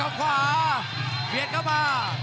คมทุกลูกจริงครับโอ้โห